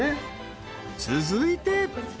［続いて］